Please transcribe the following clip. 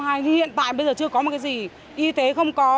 nhưng hiện tại bây giờ chưa có một cái gì y tế không có